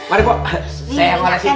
ini tuh minyaknya